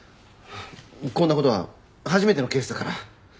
こんな事は初めてのケースだから。